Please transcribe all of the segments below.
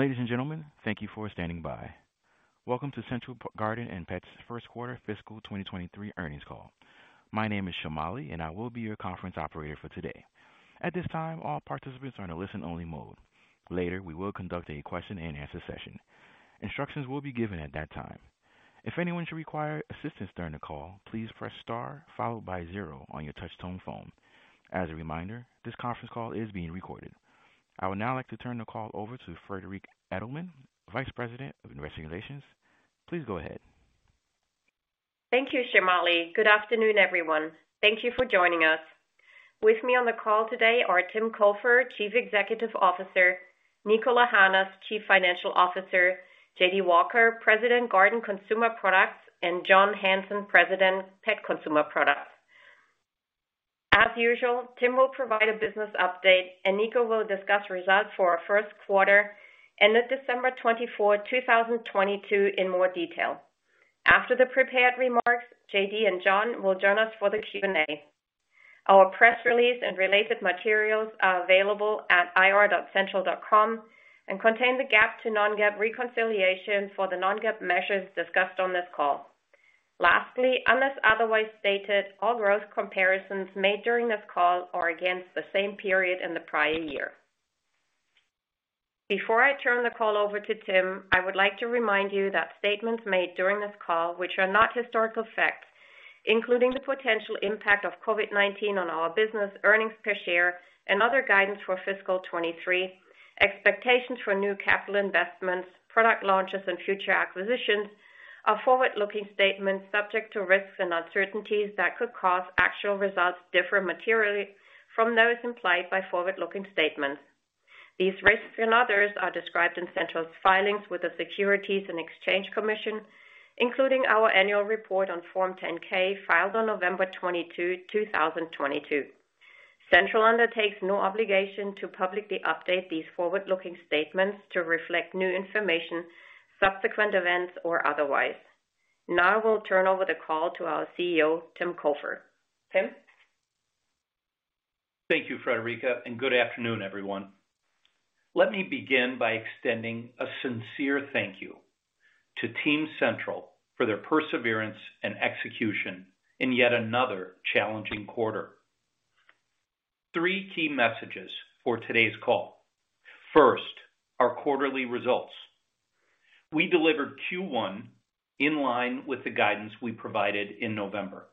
Ladies and gentlemen, thank you for standing by. Welcome to Central Garden & Pet's first quarter fiscal 2023 earnings call. My name is Shamali, and I will be your conference operator for today. At this time, all participants are in a listen-only mode. Later, we will conduct a question-and-answer session. Instructions will be given at that time. If anyone should require assistance during the call, please press star followed by zero on your touch tone phone. As a reminder, this conference call is being recorded. I would now like to turn the call over to Friederike Edelmann, Vice President of Investor Relations. Please go ahead. Thank you, Shamali. Good afternoon, everyone. Thank you for joining us. With me on the call today are Tim Cofer, Chief Executive Officer, Niko Lahanas's Chief Financial Officer, J.D. Walker, President, Garden Consumer Products, and John Hanson, President, Pet Consumer Products. As usual, Tim will provide a business update, and Niko will discuss results for our first quarter ended December 24th, 2022 in more detail. After the prepared remarks, J.D. and John will join us for the Q&A. Our press release and related materials are available at ir.central.com and contain the GAAP to non-GAAP reconciliation for the non-GAAP measures discussed on this call. Lastly, unless otherwise stated, all growth comparisons made during this call are against the same period in the prior year. Before I turn the call over to Tim, I would like to remind you that statements made during this call, which are not historical facts, including the potential impact of COVID-19 on our business, earnings per share, and other guidance for fiscal 2023, expectations for new capital investments, product launches and future acquisitions are forward-looking statements subject to risks and uncertainties that could cause actual results differ materially from those implied by forward-looking statements. These risks and others are described in Central's filings with the Securities and Exchange Commission, including our annual report on Form 10-K filed on November 22, 2022. Central undertakes no obligation to publicly update these forward-looking statements to reflect new information, subsequent events or otherwise. I will turn over the call to our CEO, Tim Cofer. Tim? Thank you, Friederike, good afternoon, everyone. Let me begin by extending a sincere thank you to Team Central for their perseverance and execution in yet another challenging quarter. Three key messages for today's call. First, our quarterly results. We delivered Q1 in line with the guidance we provided in November,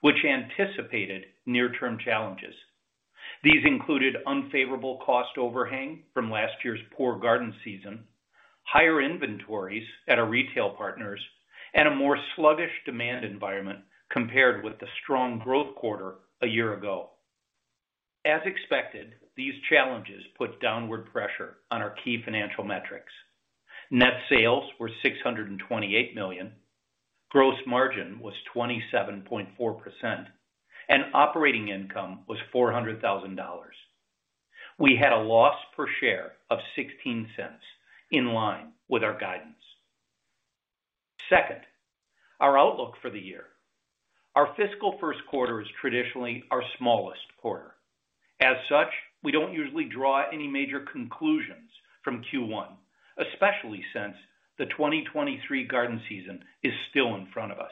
which anticipated near-term challenges. These included unfavorable cost overhang from last year's poor garden season, higher inventories at our retail partners, and a more sluggish demand environment compared with the strong growth quarter a year ago. As expected, these challenges put downward pressure on our key financial metrics. Net sales were $628 million, gross margin was 27.4%, and operating income was $400,000. We had a loss per share of $0.16 in line with our guidance. Second, our outlook for the year. Our fiscal first quarter is traditionally our smallest quarter. As such, we don't usually draw any major conclusions from Q1, especially since the 2023 garden season is still in front of us.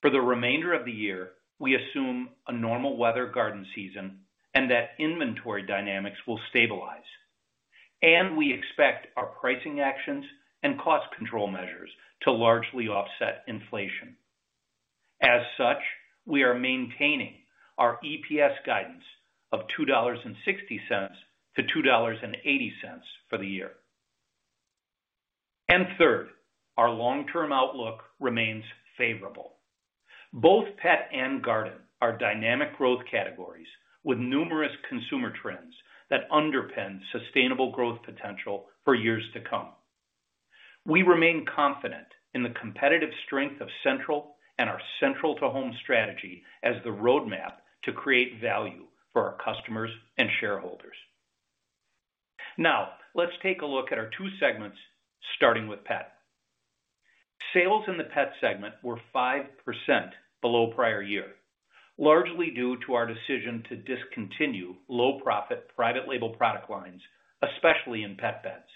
For the remainder of the year, we assume a normal weather garden season and that inventory dynamics will stabilize. We expect our pricing actions and cost control measures to largely offset inflation. As such, we are maintaining our EPS guidance of $2.60 to $2.80 for the year. Third, our long-term outlook remains favorable. Both pet and garden are dynamic growth categories with numerous consumer trends that underpin sustainable growth potential for years to come. We remain confident in the competitive strength of Central and our Central to Home strategy as the roadmap to create value for our customers and shareholders. Now, let's take a look at our two segments, starting with Pet. Sales in the Pet segment were 5% below prior year, largely due to our decision to discontinue low profit private label product lines, especially in pet beds.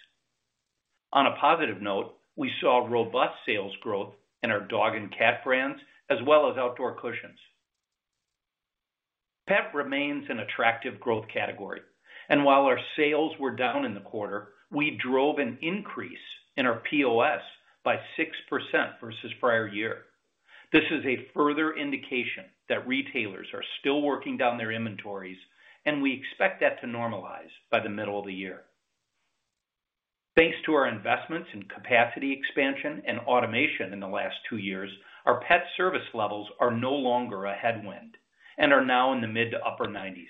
On a positive note, we saw robust sales growth in our dog and cat brands, as well as outdoor cushions. Pet remains an attractive growth category, and while our sales were down in the quarter, we drove an increase in our POS by 6% versus prior year. This is a further indication that retailers are still working down their inventories, and we expect that to normalize by the middle of the year. Thanks to our investments in capacity expansion and automation in the last two years, our pet service levels are no longer a headwind and are now in the mid to upper 90s.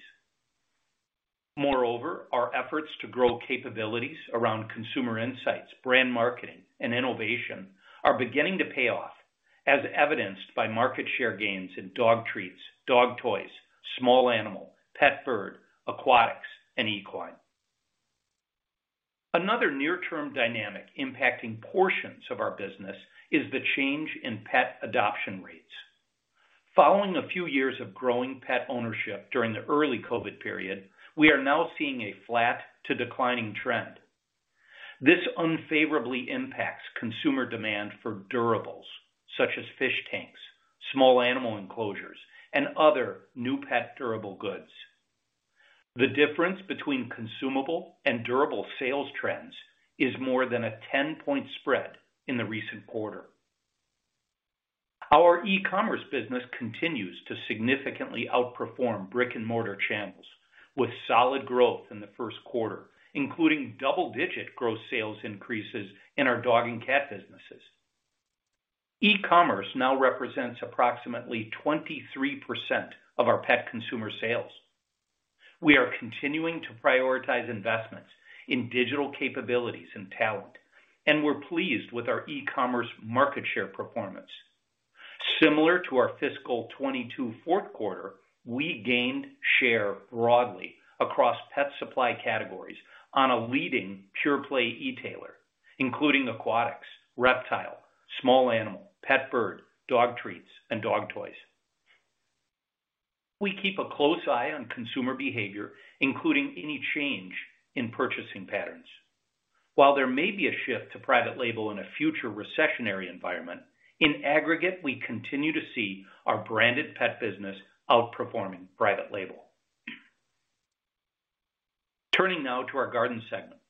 Moreover, our efforts to grow capabilities around consumer insights, brand marketing, and innovation are beginning to pay off, as evidenced by market share gains in dog treats, dog toys, small animal, pet bird, aquatics, and equine. Another near-term dynamic impacting portions of our business is the change in pet adoption rates. Following a few years of growing pet ownership during the early COVID period, we are now seeing a flat to declining trend. This unfavorably impacts consumer demand for durables such as fish tanks, small animal enclosures, and other new pet durable goods. The difference between consumable and durable sales trends is more than a 10-point spread in the recent quarter. Our e-commerce business continues to significantly outperform brick-and-mortar channels, with solid growth in the first quarter, including double-digit gross sales increases in our dog and cat businesses. E-commerce now represents approximately 23% of our pet consumer sales. We are continuing to prioritize investments in digital capabilities and talent. We're pleased with our e-commerce market share performance. Similar to our fiscal 2022 fourth quarter, we gained share broadly across pet supply categories on a leading pure play e-tailer, including aquatics, reptile, small animal, pet bird, dog treats, and dog toys. We keep a close eye on consumer behavior, including any change in purchasing patterns. While there may be a shift to private label in a future recessionary environment, in aggregate, we continue to see our branded pet business outperforming private label. Turning now to our garden segment.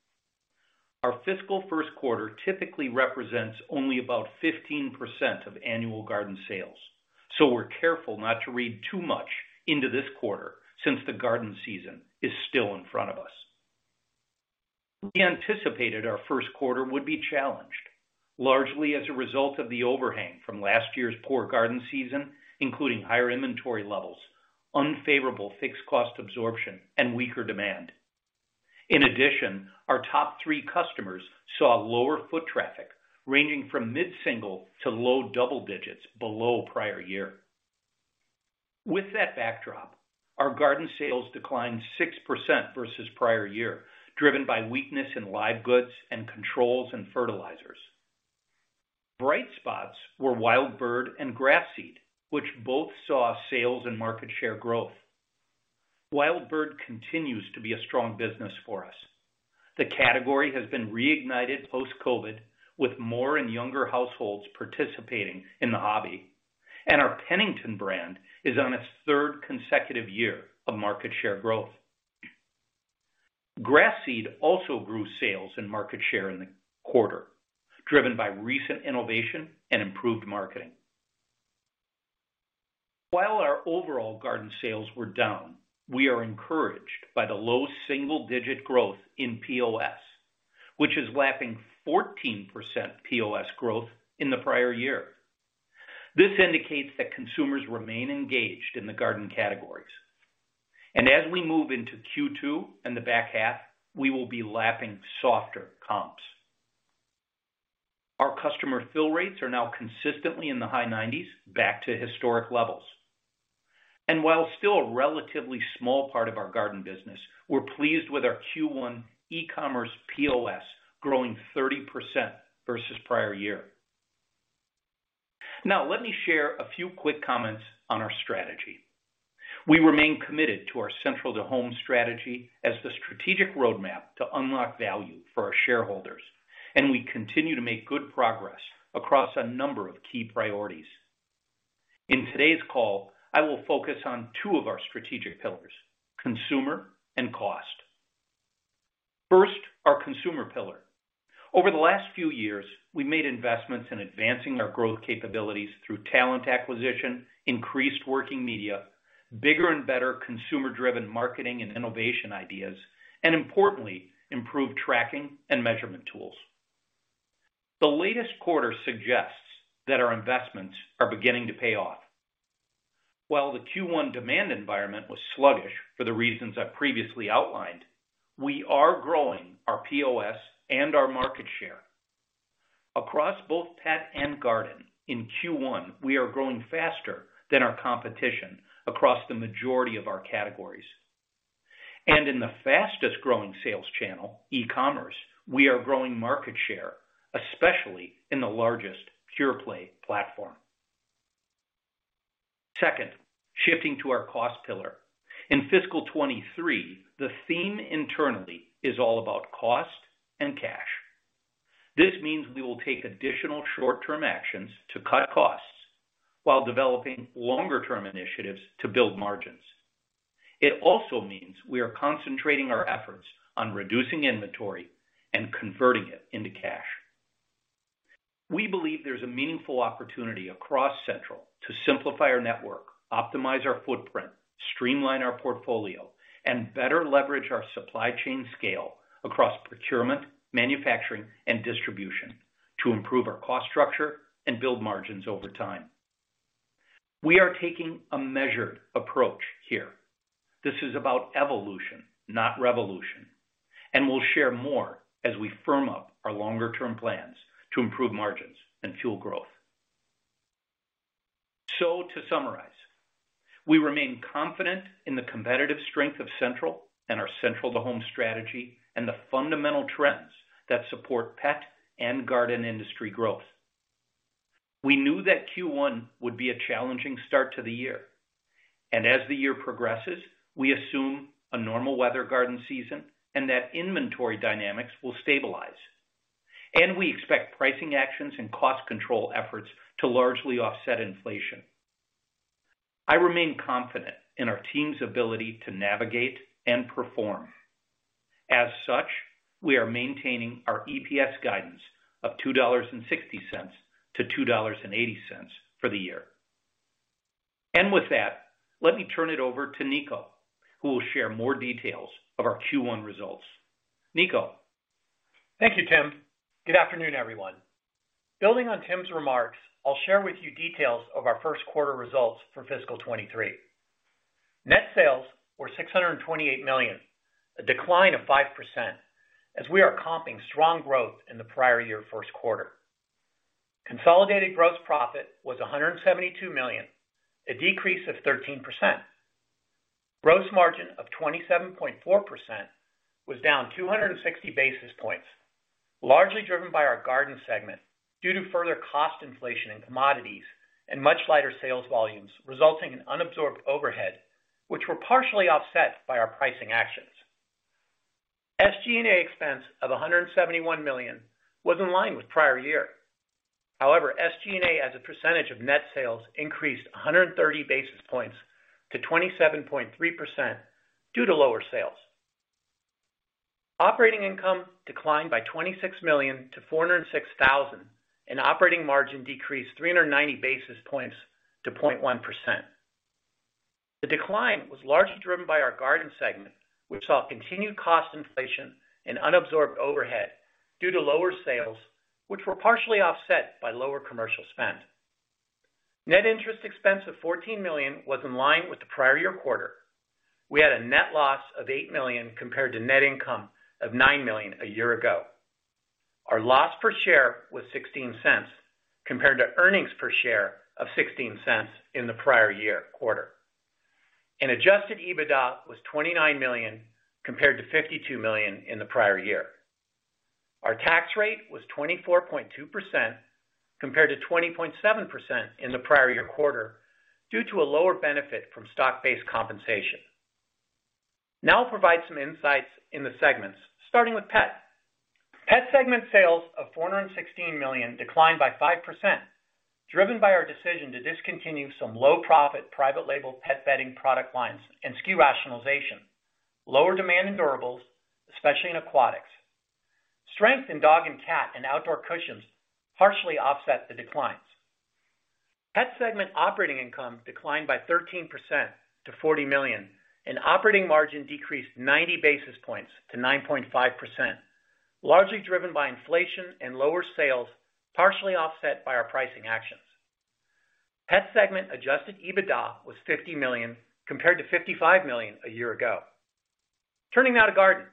Our fiscal first quarter typically represents only about 15% of annual garden sales. We're careful not to read too much into this quarter since the garden season is still in front of us. We anticipated our first quarter would be challenged, largely as a result of the overhang from last year's poor garden season, including higher inventory levels, unfavorable fixed cost absorption, and weaker demand. Our top three customers saw lower foot traffic ranging from mid-single to low double digits below prior year. Our garden sales declined 6% versus prior year, driven by weakness in live goods and controls, and fertilizers. Bright spots were Wild Bird and grass seed, which both saw sales and market share growth. Wild Bird continues to be a strong business for us. The category has been reignited post-COVID with more and younger households participating in the hobby. Our Pennington brand is on its third consecutive year of market share growth. Grass Seed also grew sales and market share in the quarter, driven by recent innovation and improved marketing. While our overall garden sales were down, we are encouraged by the low single-digit growth in POS, which is lapping 14% POS growth in the prior year. This indicates that consumers remain engaged in the garden categories. As we move into Q2 and the back half, we will be lapping softer comps. Our customer fill rates are now consistently in the high nineties, back to historic levels. While still a relatively small part of our garden business, we're pleased with our Q1 e-commerce POS growing 30% versus prior year. Now let me share a few quick comments on our strategy. We remain committed to our Central to Home strategy as the strategic roadmap to unlock value for our shareholders, and we continue to make good progress across a number of key priorities. In today's call, I will focus on two of our strategic pillars, consumer and cost. First, our consumer pillar. Over the last few years, we made investments in advancing our growth capabilities through talent acquisition, increased working media, bigger and better consumer-driven marketing and innovation ideas, and importantly, improved tracking and measurement tools. The latest quarter suggests that our investments are beginning to pay off. While the Q1 demand environment was sluggish for the reasons I've previously outlined, we are growing our POS and our market share. Across both pet and garden, in Q1, we are growing faster than our competition across the majority of our categories. In the fastest growing sales channel, e-commerce, we are growing market share, especially in the largest pure play platform. Second, shifting to our cost pillar. In fiscal 2023, the theme internally is all about cost and cash. This means we will take additional short-term actions to cut costs while developing longer-term initiatives to build margins. It also means we are concentrating our efforts on reducing inventory and converting it into cash. We believe there's a meaningful opportunity across Central to simplify our network, optimize our footprint, streamline our portfolio, and better leverage our supply chain scale across procurement, manufacturing, and distribution to improve our cost structure and build margins over time. We are taking a measured approach here. This is about evolution, not revolution, and we'll share more as we firm up our longer-term plans to improve margins and fuel growth. To summarize, we remain confident in the competitive strength of Central and our Central to Home strategy and the fundamental trends that support pet and garden industry growth. We knew that Q1 would be a challenging start to the year. As the year progresses, we assume a normal weather garden season and that inventory dynamics will stabilize. We expect pricing actions and cost control efforts to largely offset inflation. I remain confident in our team's ability to navigate and perform. As such, we are maintaining our EPS guidance of $2.60 to $2.80 for the year. With that, let me turn it over to Niko, who will share more details of our Q1 results. Niko. Thank you, Tim. Good afternoon, everyone. Building on Tim's remarks, I'll share with you details of our first quarter results for fiscal 2023. Net sales were $628 million, a decline of 5% as we are comping strong growth in the prior year first quarter. Consolidated gross profit was $172 million, a decrease of 13%. Gross margin of 27.4% was down 260 basis points, largely driven by our garden segment due to further cost inflation in commodities and much lighter sales volumes resulting in unabsorbed overhead, which were partially offset by our pricing actions. SG&A expense of $171 million was in line with prior year. However, SG&A as a percentage of net sales increased 130 basis points to 27.3% due to lower sales. Operating income declined by $26 million to $406,000, and operating margin decreased 390 basis points to 0.1%. The decline was largely driven by our garden segment, which saw continued cost inflation and unabsorbed overhead due to lower sales, which were partially offset by lower commercial spend. Net interest expense of $14 million was in line with the prior year quarter. We had a net loss of $8 million compared to net income of $9 million a year ago. Our loss per share was $0.16 compared to earnings per share of $0.16 in the prior year quarter. Adjusted EBITDA was $29 million compared to $52 million in the prior year. Our tax rate was 24.2% compared to 20.7% in the prior year quarter due to a lower benefit from stock-based compensation. I'll provide some insights in the segments, starting with pet. Pet segment sales of $416 million declined by 5%, driven by our decision to discontinue some low profit private label pet bedding product lines and SKU rationalization, lower demand in durables, especially in aquatics. Strength in dog and cat and outdoor cushions partially offset the declines. Pet segment operating income declined by 13% to $40 million, and operating margin decreased 90 basis points to 9.5%, largely driven by inflation and lower sales, partially offset by our pricing actions. Pet segment adjusted EBITDA was $50 million compared to $55 million a year ago. Turning now to garden.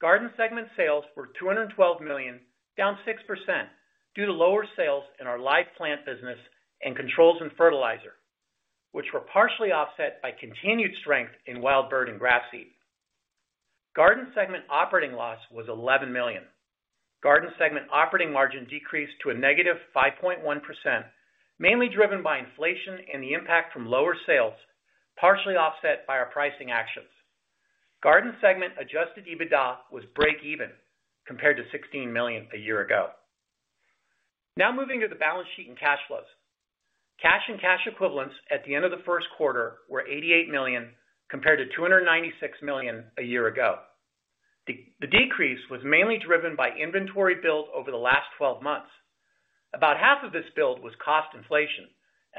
Garden segment sales were $212 million, down 6% due to lower sales in our live plant business and controls in fertilizer, which were partially offset by continued strength in Wild Bird and grass seed. Garden segment operating loss was $11 million. Garden segment operating margin decreased to a -5.1%, mainly driven by inflation and the impact from lower sales, partially offset by our pricing actions. Garden segment adjusted EBITDA was break even compared to $16 million a year ago. Moving to the balance sheet and cash flows. Cash and cash equivalents at the end of the first quarter were $88 million compared to $296 million a year ago. The decrease was mainly driven by inventory build over the last 12 months. About half of this build was cost inflation.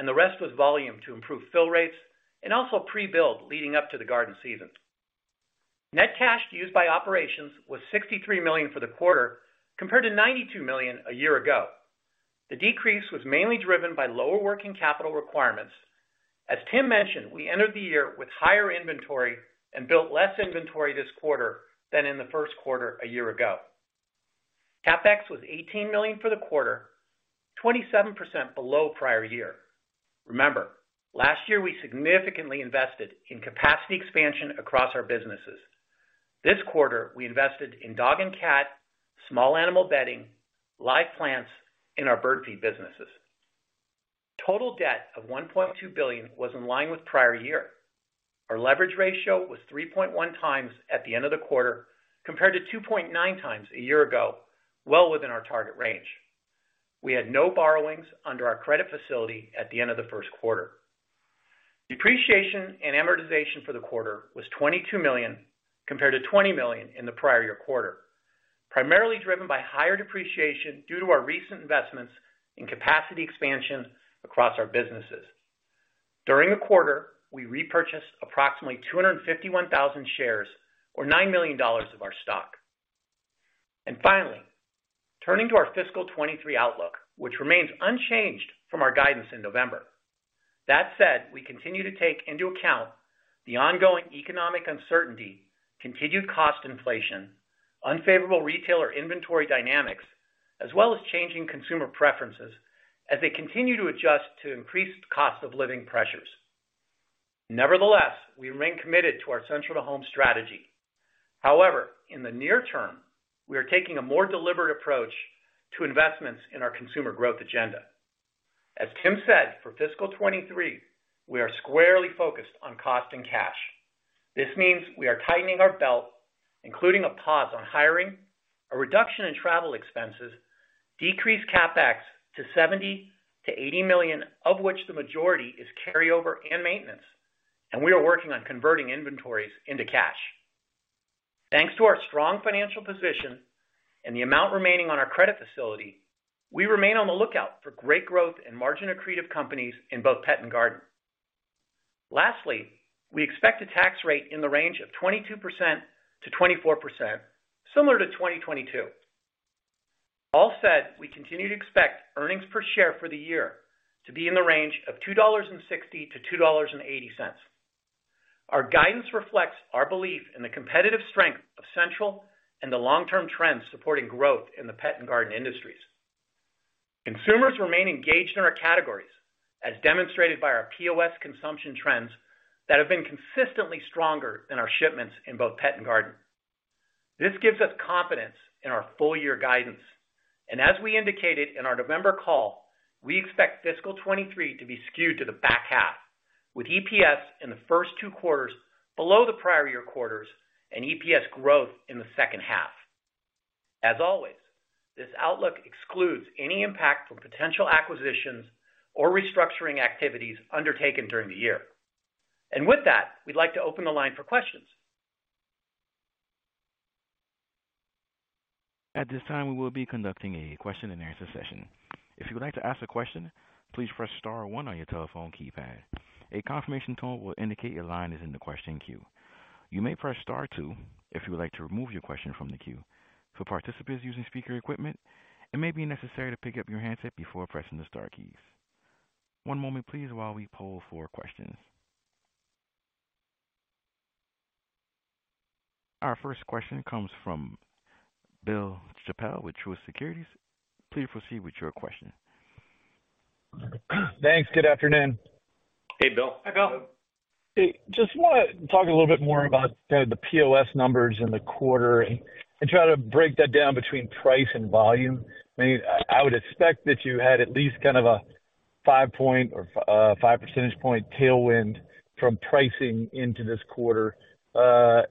The rest was volume to improve fill rates and also pre-build leading up to the garden season. Net cash used by operations was $63 million for the quarter compared to $92 million a year ago. The decrease was mainly driven by lower working capital requirements. As Tim mentioned, we entered the year with higher inventory and built less inventory this quarter than in the first quarter a year ago. CapEx was $18 million for the quarter, 27% below prior year. Remember, last year, we significantly invested in capacity expansion across our businesses. This quarter, we invested in dog and cat, small animal bedding, live plants, and our bird feed businesses. Total debt of $1.2 billion was in line with prior year. Our leverage ratio was 3.1 times at the end of the quarter compared to 2.9 times a year ago, well within our target range. We had no borrowings under our credit facility at the end of the first quarter. Depreciation and amortization for the quarter was $22 million compared to $20 million in the prior year quarter, primarily driven by higher depreciation due to our recent investments in capacity expansion across our businesses. During the quarter, we repurchased approximately 251,000 shares or $9 million of our stock. Finally, turning to our fiscal 2023 outlook, which remains unchanged from our guidance in November. That said, we continue to take into account the ongoing economic uncertainty, continued cost inflation, unfavorable retailer inventory dynamics, as well as changing consumer preferences as they continue to adjust to increased cost of living pressures. Nevertheless, we remain committed to our Central to Home strategy. However, in the near term, we are taking a more deliberate approach to investments in our consumer growth agenda. As Tim said, for fiscal 2023, we are squarely focused on cost and cash. This means we are tightening our belt, including a pause on hiring, a reduction in travel expenses, decrease CapEx to $70 million to $80 million, of which the majority is carryover and maintenance, and we are working on converting inventories into cash. Thanks to our strong financial position and the amount remaining on our credit facility, we remain on the lookout for great growth and margin accretive companies in both pet and garden. Lastly, we expect a tax rate in the range of 22% to 24%, similar to 2022. All said, we continue to expect earnings per share for the year to be in the range of $2.60 to $2.80. Our guidance reflects our belief in the competitive strength of Central and the long-term trends supporting growth in the pet and garden industries. Consumers remain engaged in our categories, as demonstrated by our POS consumption trends that have been consistently stronger than our shipments in both pet and garden. This gives us confidence in our full year guidance. As we indicated in our November call, we expect fiscal 2023 to be skewed to the back half, with EPS in the first two quarters below the prior year quarters and EPS growth in the second half. As always, this outlook excludes any impact from potential acquisitions or restructuring activities undertaken during the year. With that, we'd like to open the line for questions. At this time, we will be conducting a question-and-answer session. If you would like to ask a question, please press star one on your telephone keypad. A confirmation tone will indicate your line is in the question queue. You may press star two if you would like to remove your question from the queue. For participants using speaker equipment, it may be necessary to pick up your handset before pressing the star keys. One moment please while we poll for questions. Our first question comes from Bill Chappell with Truist Securities. Please proceed with your question. Thanks. Good afternoon. Hey, Bill. Hi, Bill. Hey, just wanna talk a little bit more about the POS numbers in the quarter and try to break that down between price and volume. I mean, I would expect that you had at least kind of a five percentage point tailwind from pricing into this quarter. I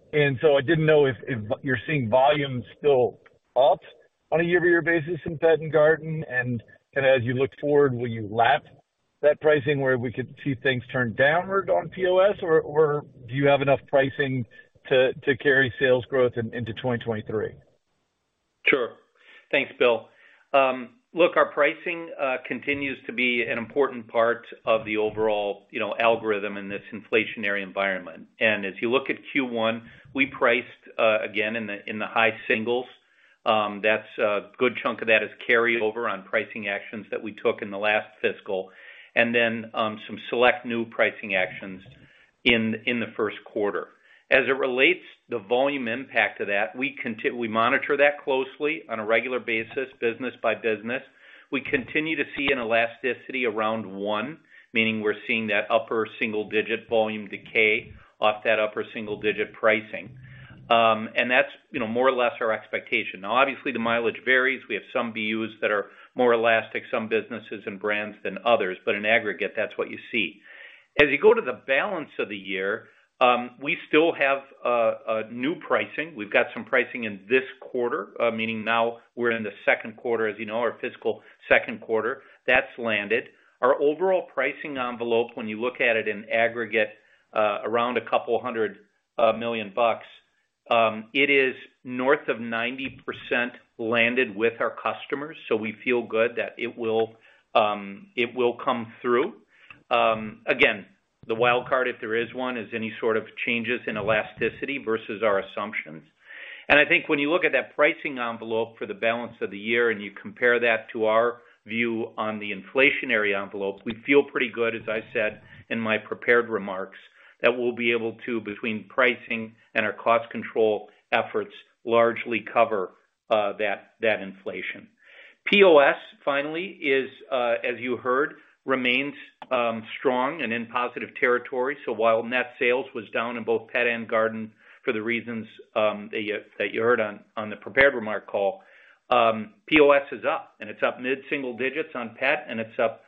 didn't know if you're seeing volumes still up on a year-over-year basis in pet and garden. Kind of as you look forward, will you lap that pricing where we could see things turn downward on POS or do you have enough pricing to carry sales growth into 2023? Sure. Thanks, Bill. Look, our pricing continues to be an important part of the overall, you know, algorithm in this inflationary environment. As you look at Q1, we priced again in the high singles. That's a good chunk of that is carryover on pricing actions that we took in the last fiscal, and then, some select new pricing actions in the first quarter. As it relates the volume impact of that, we monitor that closely on a regular basis, business by business. We continue to see an elasticity around one, meaning we're seeing that upper single digit volume decay off that upper single digit pricing. That's, you know, more or less our expectation. Obviously the mileage varies. We have some BUs that are more elastic, some businesses and brands than others, but in aggregate, that's what you see. As you go to the balance of the year, we still have a new pricing. We've got some pricing in this quarter, meaning now we're in the second quarter, as you know, our fiscal second quarter that's landed. Our overall pricing envelope, when you look at it in aggregate, around $200 million, it is north of 90% landed with our customers, so we feel good that it will come through. Again, the wild card, if there is one, is any sort of changes in elasticity versus our assumptions. I think when you look at that pricing envelope for the balance of the year and you compare that to our view on the inflationary envelope, we feel pretty good, as I said in my prepared remarks, that we'll be able to, between pricing and our cost control efforts, largely cover that inflation. POS finally is, as you heard, remains strong and in positive territory. While net sales was down in both pet and garden for the reasons that you heard on the prepared remark call, POS is up and it's up mid-single digits on pet, and it's up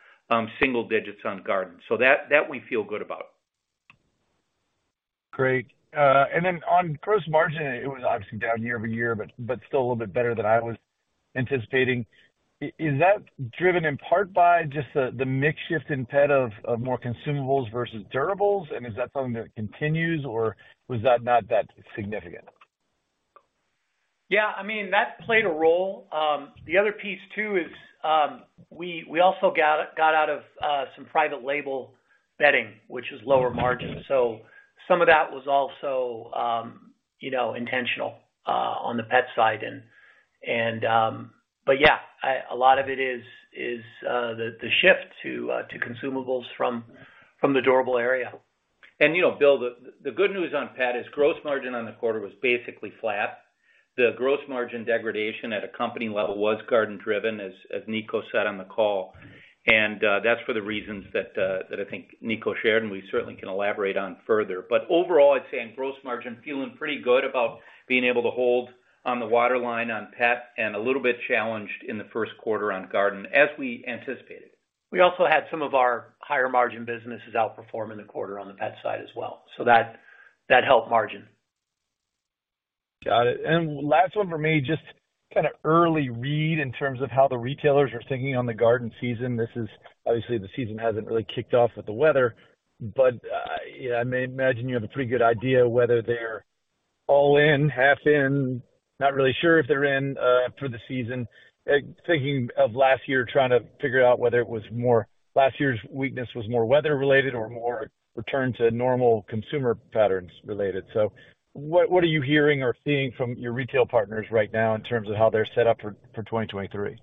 single digits on garden. That we feel good about. Great. On gross margin, it was obviously down year-over-year, but still a little bit better than I was anticipating. Is that driven in part by just the mix shift in pet of more consumables versus durables? Is that something that continues or was that not that significant? Yeah, I mean, that played a role. The other piece too is we also got out of some private label bedding, which is lower margin. Some of that was also, you know, intentional on the pet side and. Yeah, I, a lot of it is, the shift to consumables from the durable area. You know, Bill, the good news on pet is gross margin on the quarter was basically flat. The gross margin degradation at a company level was garden-driven, as Niko said on the call. That's for the reasons that I think Niko shared, and we certainly can elaborate on further. Overall, I'd say on gross margin, feeling pretty good about being able to hold on the waterline on pet and a little bit challenged in the first quarter on garden, as we anticipated. We also had some of our higher margin businesses outperform in the quarter on the pet side as well, so that helped margin. Got it. Last one for me, just kinda early read in terms of how the retailers are thinking on the garden season. Obviously, the season hasn't really kicked off with the weather, but, you know, I may imagine you have a pretty good idea whether they're all in, half in, not really sure if they're in for the season. Thinking of last year, trying to figure out whether it was last year's weakness was more weather related or more return to normal consumer patterns related. What are you hearing or seeing from your retail partners right now in terms of how they're set up for 2023?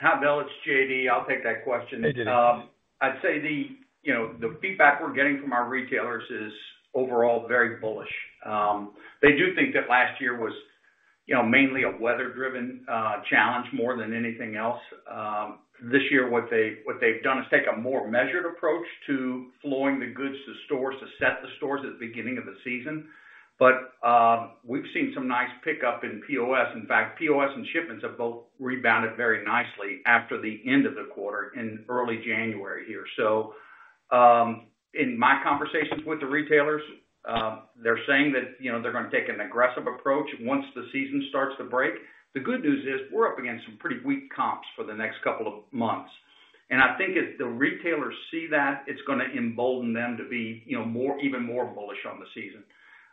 Hi, Bill. It's J.D. I'll take that question. Hey, J.D. I'd say the, you know, the feedback we're getting from our retailers is overall very bullish. They do think that last year was, you know, mainly a weather driven challenge more than anything else. This year, what they've done is take a more measured approach to flowing the goods to stores to set the stores at the beginning of the season. We've seen some nice pickup in POS. In fact, POS and shipments have both rebounded very nicely after the end of the quarter in early January here. In my conversations with the retailers, they're saying that, you know, they're gonna take an aggressive approach once the season starts to break. The good news is we're up against some pretty weak comps for the next couple of months. I think if the retailers see that, it's gonna embolden them to be, you know, more, even more bullish on the season.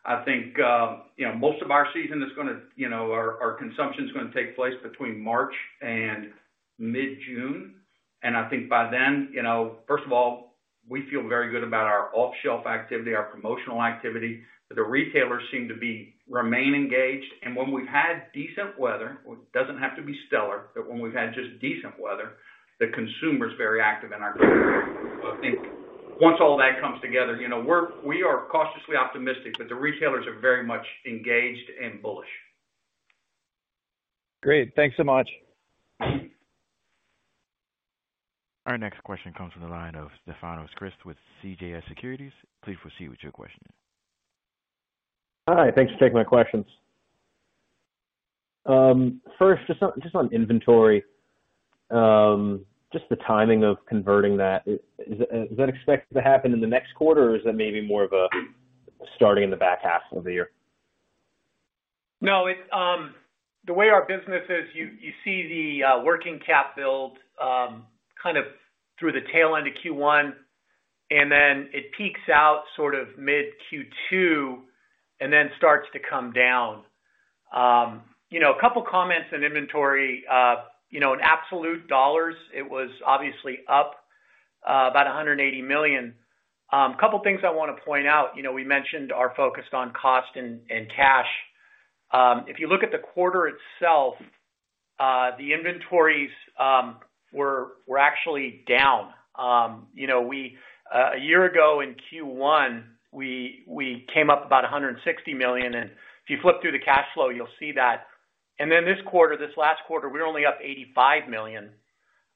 I think, you know, most of our season is gonna, you know, our consumption is gonna take place between March and mid-June. I think by then, you know, first of all, we feel very good about our off-shelf activity, our promotional activity, that the retailers seem to be, remain engaged. When we've had decent weather, or it doesn't have to be stellar, but when we've had just decent weather, the consumer is very active in our category. I think once all that comes together, you know, we are cautiously optimistic that the retailers are very much engaged and bullish. Great. Thanks so much. Our next question comes from the line of Stefanos Crist with CJS Securities. Please proceed with your question. Hi. Thanks for taking my questions. First, just on inventory, just the timing of converting that. Is that expected to happen in the next quarter, or is that maybe more of a starting in the back half of the year? No, it's. The way our business is, you see the working cap build kind of through the tail end of Q1, and then it peaks out sort of mid-Q2, and then starts to come down. You know, a couple of comments on inventory. You know, in absolute dollars, it was obviously up about $180 million. A couple of things I wanna point out. You know, we mentioned our focus on cost and cash. If you look at the quarter itself, the inventories were actually down. You know, we a year ago in Q1, we came up about $160 million, and if you flip through the cash flow, you'll see that. This quarter, this last quarter, we're only up $85 million.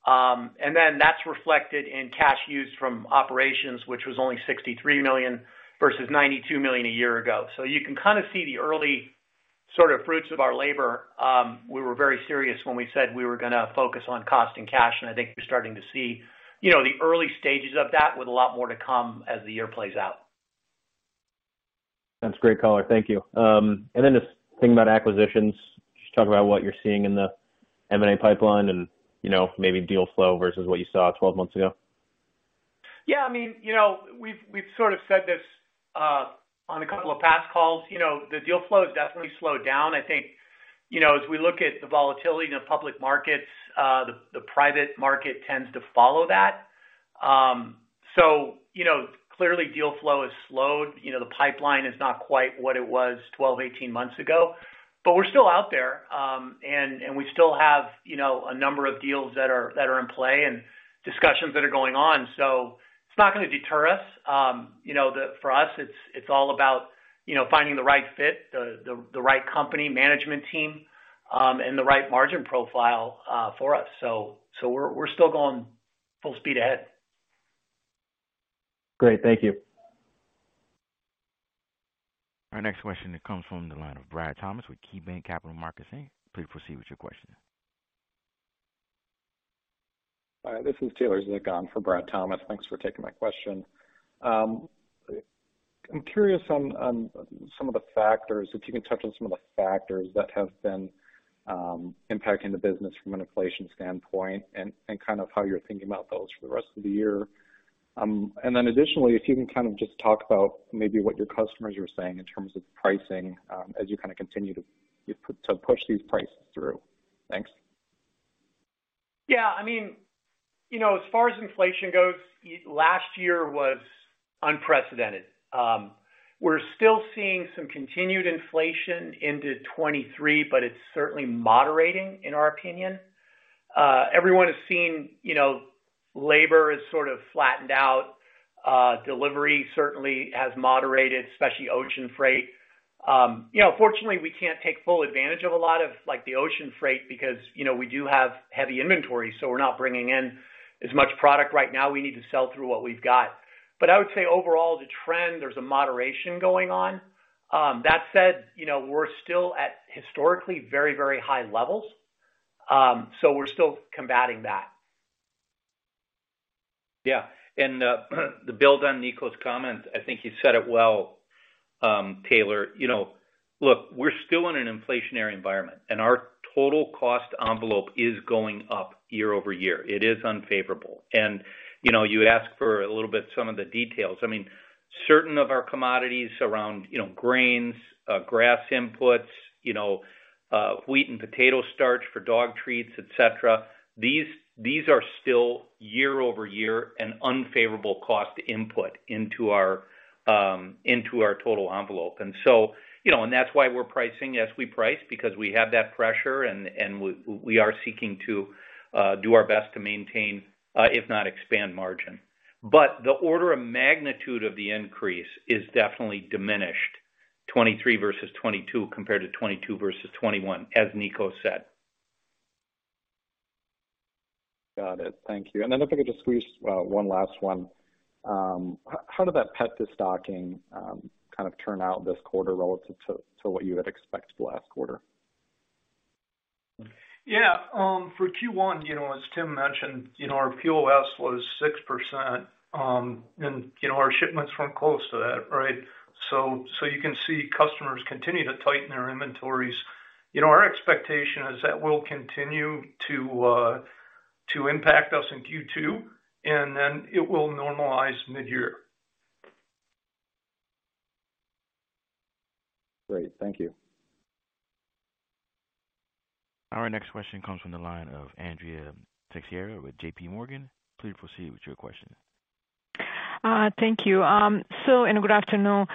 That's reflected in cash used from operations, which was only $63 million versus $92 million a year ago. You can kinda see the early sort of fruits of our labor. We were very serious when we said we were gonna focus on cost and cash, and I think you're starting to see, you know, the early stages of that with a lot more to come as the year plays out. That's great color. Thank you. Then just thinking about acquisitions, just talk about what you're seeing in the M&A pipeline and, you know, maybe deal flow versus what you saw 12 months ago. Yeah, I mean, you know, we've sort of said this on a couple of past calls. You know, the deal flow has definitely slowed down. I think, you know, as we look at the volatility in the public markets, the private market tends to follow that. You know, clearly deal flow has slowed. You know, the pipeline is not quite what it was 12, 18 months ago. We're still out there, and we still have, you know, a number of deals that are in play and discussions that are going on. It's not gonna deter us. You know, for us, it's all about, you know, finding the right fit, the right company management team, and the right margin profile for us. We're still going full speed ahead. Great. Thank you. Our next question comes from the line of Bradley Thomas with KeyBanc Capital Markets Inc. Please proceed with your question. Hi. This is Taylor Zick, on for Bradley Thomas. Thanks for taking my question. I'm curious on some of the factors, if you can touch on some of the factors that have been impacting the business from an inflation standpoint and kind of how you're thinking about those for the rest of the year. Additionally, if you can kind of just talk about maybe what your customers are saying in terms of pricing, as you kinda continue to push these prices through. Thanks. Yeah, I mean, you know, as far as inflation goes, last year was unprecedented. We're still seeing some continued inflation into 2023, but it's certainly moderating, in our opinion. Everyone has seen, you know, labor is sort of flattened out. Delivery certainly has moderated, especially ocean freight. You know, fortunately, we can't take full advantage of a lot of, like, the ocean freight because, you know, we do have heavy inventory, so we're not bringing in as much product right now. We need to sell through what we've got. I would say overall, the trend, there's a moderation going on. That said, you know, we're still at historically very, very high levels, so we're still combating that. To build on Niko's comments, I think you said it well, Taylor. You know, look, we're still in an inflationary environment, and our total cost envelope is going up year-over-year. It is unfavorable. You know, you ask for a little bit some of the details. I mean, certain of our commodities around grains, grass inputs, wheat and potato starch for dog treats, et cetera, these are still year-over-year an unfavorable cost input into our total envelope. That's why we're pricing as we price because we have that pressure and we are seeking to do our best to maintain, if not expand margin. The order of magnitude of the increase is definitely diminished, 2023 versus 2022 compared to 2022 versus 2021, as Niko said. Got it. Thank you. Then if I could just squeeze one last one. How did that pet destocking kind of turn out this quarter relative to what you had expected last quarter? For Q1, you know, as Tim mentioned, you know, our POS was 6%, and, you know, our shipments weren't close to that, right? You can see customers continue to tighten their inventories. You know, our expectation is that will continue to impact us in Q2, and then it will normalize midyear. Great. Thank you. Our next question comes from the line of Andrea Teixeira with J.P. Morgan. Please proceed with your question. Thank you, good afternoon.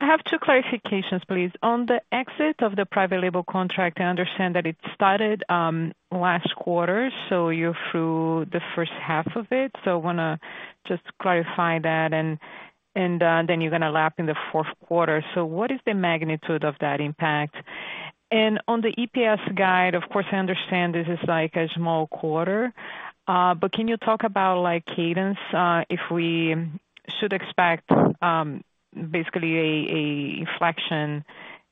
I have two clarifications, please. On the exit of the private label contract, I understand that it started last quarter, so you're through the first half of it. I wanna just clarify that, and then you're gonna lap in the fourth quarter. What is the magnitude of that impact? On the EPS guide, of course, I understand this is, like, a small quarter, but can you talk about, like, cadence, if we should expect basically a inflection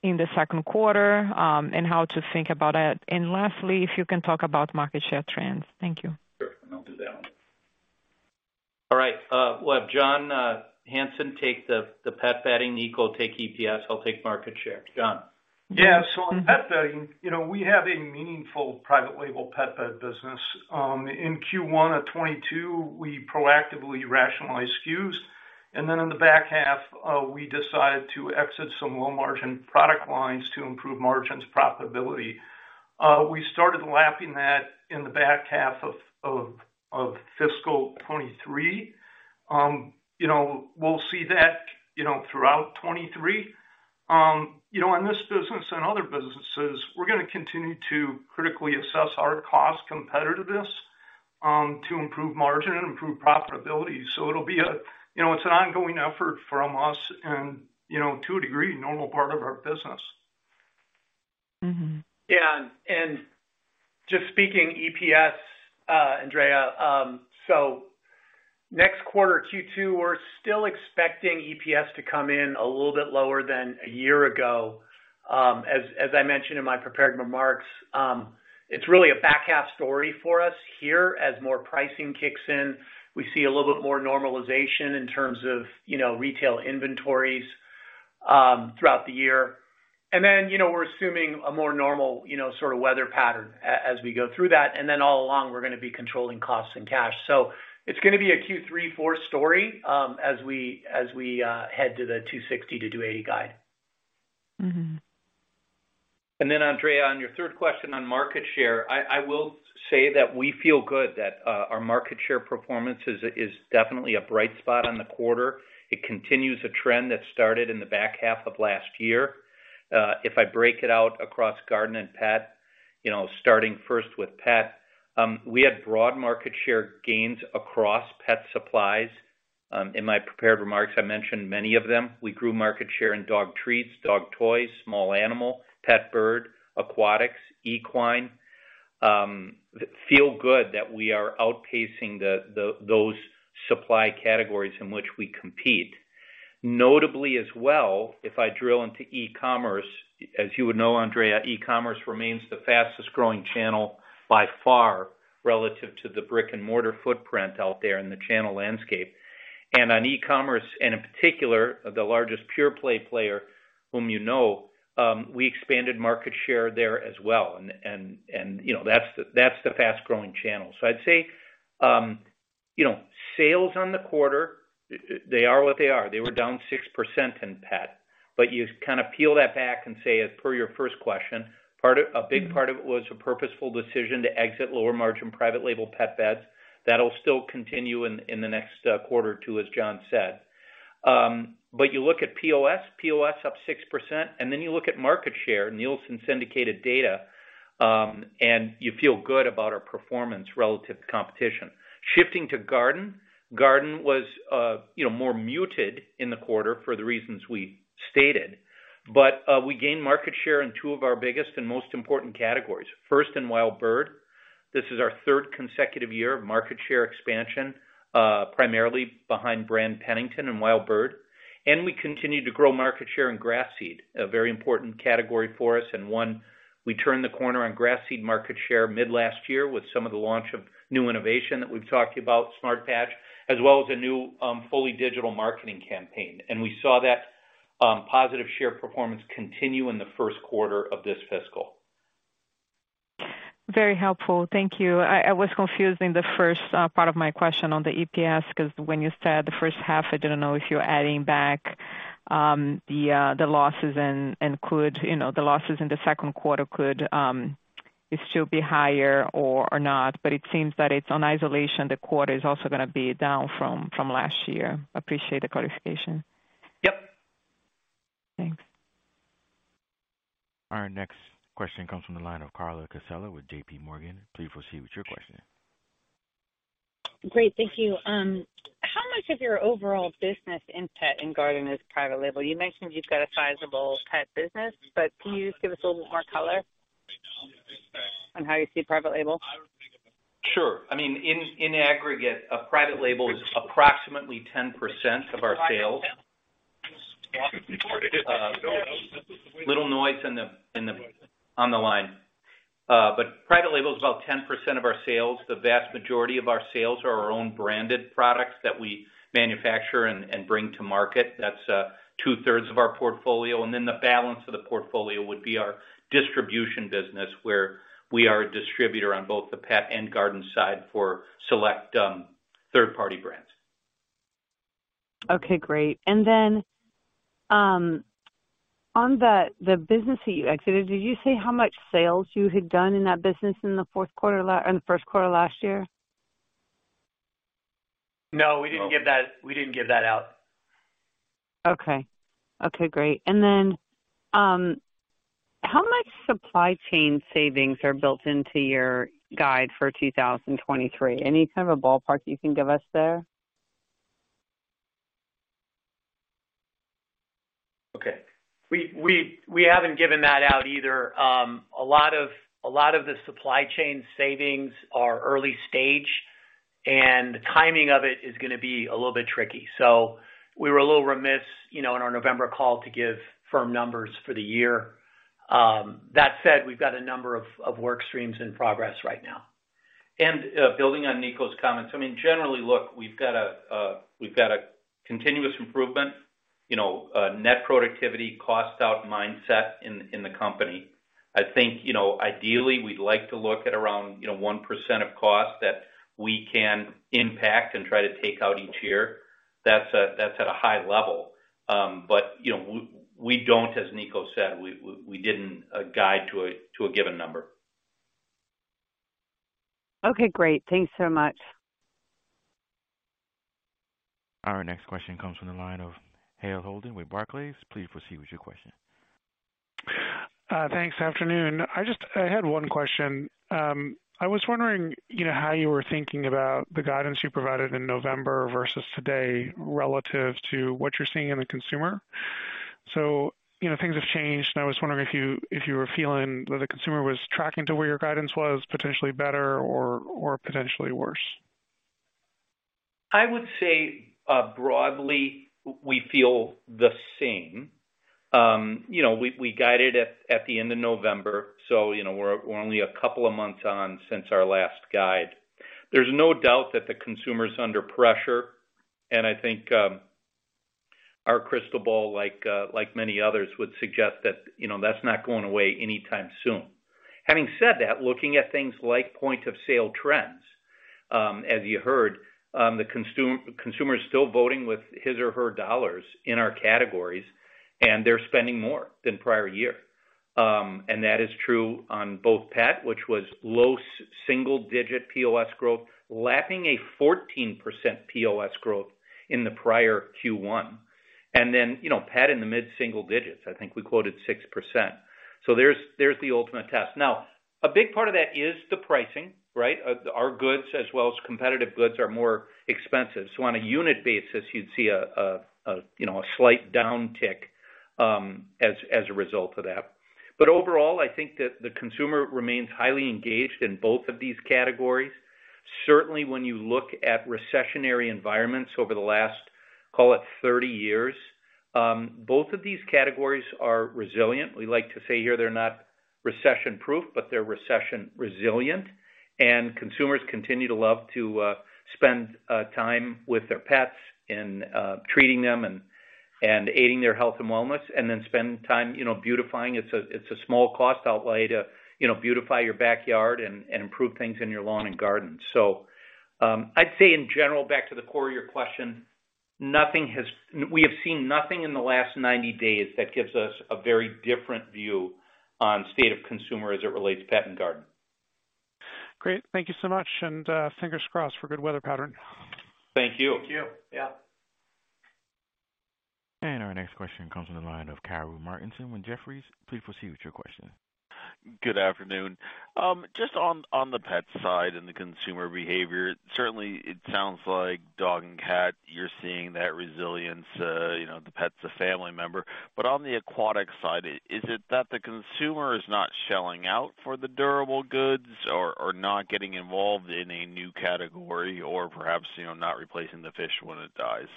in the second quarter, and how to think about it? Lastly, if you can talk about market share trends. Thank you. Sure. I'll do that one. All right. We'll have John Hanson take the pet bedding, Niko will take EPS, I'll take market share. John. Yeah. On pet bedding, you know, we have a meaningful private label pet bed business. In Q1 of 2022, we proactively rationalized SKUs, then in the back half, we decided to exit some low-margin product lines to improve margins profitability. We started lapping that in the back half of fiscal 2023. You know, we'll see that, you know, throughout 2023. You know, in this business and other businesses, we're gonna continue to critically assess our cost competitiveness to improve margin and improve profitability. It'll be a... You know, it's an ongoing effort from us and, you know, to a degree, normal part of our business. Mm-hmm. Yeah. Just speaking EPS, Andrea, next quarter, Q2, we're still expecting EPS to come in a little bit lower than a year ago. As I mentioned in my prepared remarks, it's really a back half story for us here. As more pricing kicks in, we see a little bit more normalization in terms of, you know, retail inventories throughout the year. You know, we're assuming a more normal, you know, sort of weather pattern as we go through that. All along, we're gonna be controlling costs and cash. It's gonna be a Q3, four story as we head to the $2.60 to $2.80 guide. Mm-hmm. Andrea, on your third question on market share, I will say that we feel good that our market share performance is definitely a bright spot on the quarter. It continues a trend that started in the back half of last year. If I break it out across garden and pet, you know, starting first with pet, we had broad market share gains across pet supplies. In my prepared remarks, I mentioned many of them. We grew market share in dog treats, dog toys, small animal, pet bird, aquatics, equine. Feel good that we are outpacing those supply categories in which we compete. Notably as well, if I drill into e-commerce, as you would know, Andrea, e-commerce remains the fastest growing channel by far relative to the brick-and-mortar footprint out there in the channel landscape. On e-commerce, and in particular, the largest pure play player whom you know, we expanded market share there as well. You know, that's the fast-growing channel. You know, sales on the quarter, they are what they are. They were down 6% in pet, but you kind of peel that back and say, as per your first question, a big part of it was a purposeful decision to exit lower margin private label pet beds. That'll still continue in the next quarter too, as John said. You look at POS up 6%, and then you look at market share, Nielsen syndicated data, and you feel good about our performance relative to competition. Shifting to garden. Garden was, you know, more muted in the quarter for the reasons we stated, but we gained market share in two of our biggest and most important categories. First, in Wild Bird, this is our third consecutive year of market share expansion, primarily behind brand Pennington and Wild Bird. We continue to grow market share in grass seed, a very important category for us, and one we turned the corner on grass seed market share mid last year with some of the launch of new innovation that we've talked about, Smart Patch, as well as a new, fully digital marketing campaign. We saw that positive share performance continue in the first quarter of this fiscal. Very helpful. Thank you. I was confused in the first part of my question on the EPS, 'cause when you said the first half, I didn't know if you were adding back the losses and could, you know, the losses in the second quarter could still be higher or not. It seems that it's on isolation, the quarter is also gonna be down from last year. Appreciate the clarification. Yep. Thanks. Our next question comes from the line of Carla Casella with J.P. Morgan Securities LLC. Please proceed with your question. Great, thank you. How much of your overall business in pet and garden is private label? You mentioned you've got a sizable pet business, but can you just give us a little more color on how you see private label? Sure. I mean, in aggregate, a private label is approximately 10% of our sales. little noise on the line. But private label is about 10% of our sales. The vast majority of our sales are our own branded products that we manufacture and bring to market. That's two-thirds of our portfolio. Then the balance of the portfolio would be our distribution business, where we are a distributor on both the pet and garden side for select third-party brands. Okay, great. Then, on the business that you exited, did you say how much sales you had done in that business in the fourth quarter in the first quarter last year? No, we didn't give that, we didn't give that out. Okay. Okay, great. Then, how much supply chain savings are built into your guide for 2023? Any kind of a ballpark you can give us there? Okay. We haven't given that out either. A lot of the supply chain savings are early stage, the timing of it is going to be a little bit tricky. We were a little remiss, you know, in our November call to give firm numbers for the year. That said, we've got a number of work streams in progress right now. Building on Niko's comments, I mean, generally, look, we've got a continuous improvement, you know, a net productivity cost out mindset in the company. I think, you know, ideally, we'd like to look at around, you know, 1% of cost that we can impact and try to take out each year. That's at a high level. You know, we don't as Niko said, we didn't guide to a given number. Okay, great. Thanks so much. Our next question comes from the line of Hale Holden with Barclays. Please proceed with your question. Thanks. Afternoon. I had one question. I was wondering, you know, how you were thinking about the guidance you provided in November versus today, relative to what you're seeing in the consumer. You know, things have changed, and I was wondering if you were feeling that the consumer was tracking to where your guidance was potentially better or potentially worse. I would say, broadly we feel the same. You know, we guided at the end of November, you know, we're only a couple of months on since our last guide. There's no doubt that the consumer's under pressure, I think our crystal ball, like many others, would suggest that, you know, that's not going away anytime soon. Having said that, looking at things like point of sale trends, as you heard, the consumer is still voting with his or her dollars in our categories, they're spending more than prior year. That is true on both pet, which was low single digit POS growth, lapping a 14% POS growth in the prior Q1. You know, pet in the mid-single digits. I think we quoted 6%. There's the ultimate test. A big part of that is the pricing, right? Our goods as well as competitive goods are more expensive. On a unit basis, you'd see a slight downtick as a result of that. Overall, I think that the consumer remains highly engaged in both of these categories. Certainly, when you look at recessionary environments over the last 30 years, both of these categories are resilient. We like to say here they're not recession-proof, but they're recession-resilient. Consumers continue to love to spend time with their pets and treating them and aiding their health and wellness, and then spend time beautifying. It's a small cost outlay to beautify your backyard and improve things in your lawn and garden. I'd say in general, back to the core of your question. We have seen nothing in the last 90 days that gives us a very different view on state of consumer as it relates to pet and garden. Great. Thank you so much. Fingers crossed for good weather pattern. Thank you. Thank you. Yeah. Our next question comes from the line of Peter Caris with Jefferies. Please proceed with your question. Good afternoon. just on the pet side and the consumer behavior, certainly it sounds like dog and cat, you're seeing that resilience, you know, the pet's a family member. On the aquatic side, is it that the consumer is not shelling out for the durable goods or not getting involved in a new category or perhaps, you know, not replacing the fish when it dies?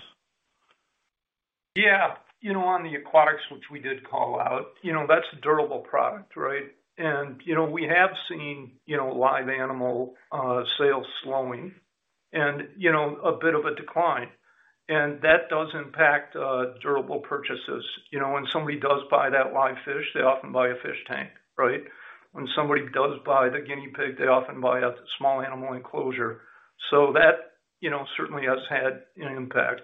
Yeah. You know, on the aquatics, which we did call out, you know, that's durable product, right? You know, we have seen, you know, live animal sales slowing and, you know, a bit of a decline. That does impact durable purchases. You know, when somebody does buy that live fish, they often buy a fish tank, right? When somebody does buy the guinea pig, they often buy a small animal enclosure. That, you know, certainly has had an impact.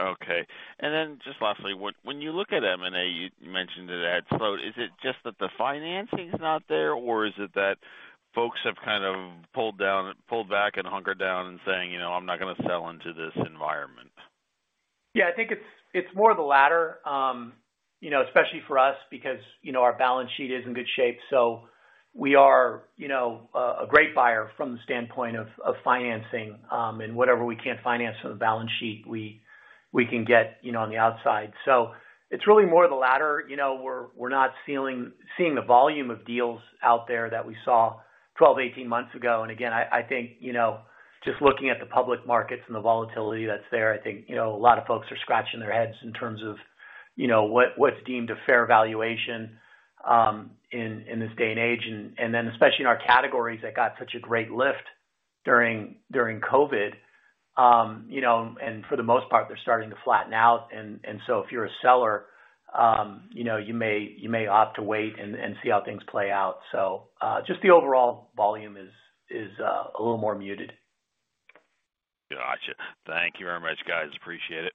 Okay. Then just lastly, when you look at M&A, you mentioned it at float. Is it just that the financing is not there, or is it that folks have kind of pulled back and hunkered down and saying, "You know, I'm not gonna sell into this environment? Yeah, I think it's more the latter, you know, especially for us because, you know, our balance sheet is in good shape, we are, you know, a great buyer from the standpoint of financing, and whatever we can't finance from the balance sheet, we can get, you know, on the outside. It's really more the latter. You know, we're not seeing the volume of deals out there that we saw 12, 18 months ago. Again, I think, you know, just looking at the public markets and the volatility that's there, I think, you know, a lot of folks are scratching their heads in terms of, you know, what's deemed a fair valuation, in this day and age. Especially in our categories that got such a great lift during COVID, you know, and for the most part, they're starting to flatten out. If you're a seller, you know, you may opt to wait and see how things play out. Just the overall volume is a little more muted. Gotcha. Thank you very much, guys. Appreciate it.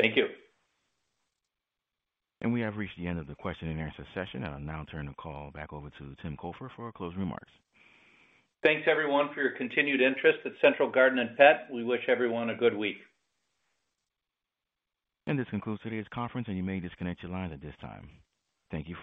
Thank you. We have reached the end of the question and answer session. I'll now turn the call back over to Tim Cofer for closing remarks. Thanks, everyone, for your continued interest at Central Garden & Pet. We wish everyone a good week. This concludes today's conference. You may disconnect your line at this time. Thank you for your participation.